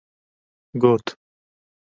Got: